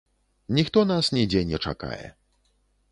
Ніхто нас нідзе не чакае.